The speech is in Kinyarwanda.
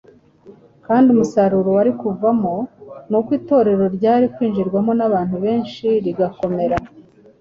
kandi umusaruro wari kuvamo ni uko Itorero ryari kwinjirwamo n’abantu benshi rigakomera.